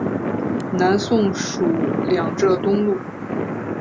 南宋属两浙东路。